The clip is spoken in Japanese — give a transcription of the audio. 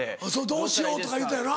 どうしよう？とか言うてたよな。